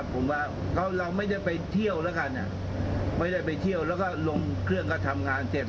ผมว่าเราไม่ได้ไปเที่ยวแล้วกันไม่ได้ไปเที่ยวแล้วก็ลงเครื่องก็ทำงานเสร็จ